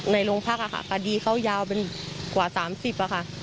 ในโรงพักค่ะคดีเขายาวเป็นกว่า๓๐อะค่ะ